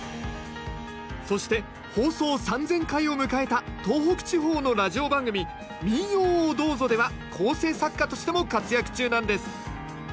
そして放送３，０００回を迎えた東北地方のラジオ番組「民謡をどうぞ」では構成作家としても活躍中なんです